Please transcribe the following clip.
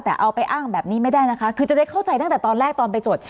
แต่เอาไปอ้างแบบนี้ไม่ได้นะคะคือจะได้เข้าใจตั้งแต่ตอนแรกตอนไปจด